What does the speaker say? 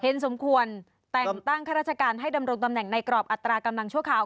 สมควรแต่งตั้งข้าราชการให้ดำรงตำแหน่งในกรอบอัตรากำลังชั่วคราว